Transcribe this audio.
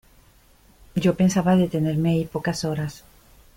yo esperaba detenerme allí pocas horas.